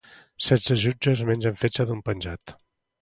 setze jutges mengen fetge d'un penjat